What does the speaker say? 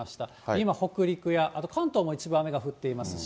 今、北陸やあと関東も一部雨が降っていますし。